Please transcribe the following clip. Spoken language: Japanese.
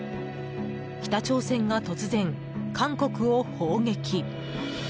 北朝鮮が突然、韓国を砲撃。